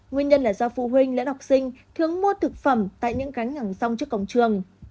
nguyên nhân là do phụ huynh lẫn học sinh thường mua thực phẩm tại những cánh ngẳng rong trước công trường